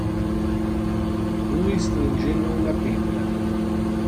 Lui stringeva una penna.